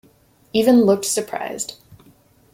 Even looked surprised.